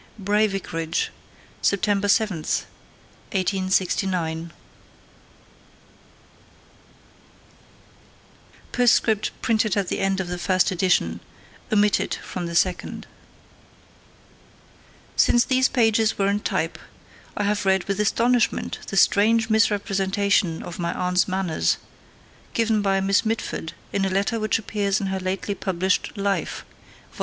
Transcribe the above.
BRAY VICARAGE: Sept. 7, 1869. Postscript printed at the end of the first edition; omitted from the second. Since these pages were in type, I have read with astonishment the strange misrepresentation of my aunt's manners given by Miss Mitford in a letter which appears in her lately published Life, vol.